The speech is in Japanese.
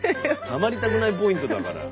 たまりたくないポイントだから。